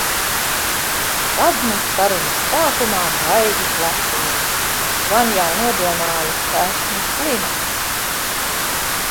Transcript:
Tad nu sarunas sākumā baigi klepoju. Gan jau nodomāja, ka esmu slima.